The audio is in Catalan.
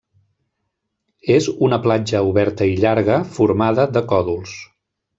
És una platja oberta i llarga formada de còdols.